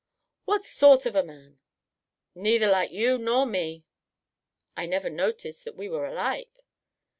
"What sort of a man?" "Neither like you nor me." "I never noticed that we were alike."